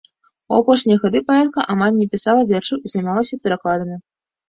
У апошнія гады паэтка амаль не пісала вершаў і займалася перакладамі.